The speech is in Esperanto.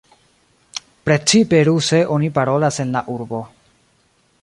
Precipe ruse oni parolas en la urbo.